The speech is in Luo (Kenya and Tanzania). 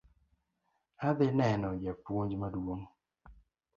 Adhi neno japuonj maduong'